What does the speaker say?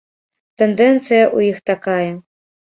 Тэндэнцыя ў іх такая.